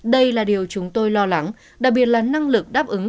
đây là điều chúng tôi lo lắng đặc biệt là năng lực đáp ứng